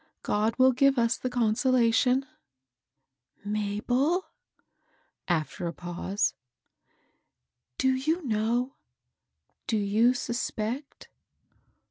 God will give us the consolation." " MabeW "— after a pause, —do you know ?— do you suspect